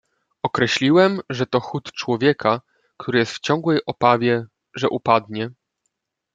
"Określiłem, że to chód człowieka, który jest w ciągłej obawie, że upadnie."